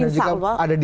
dan juga ada di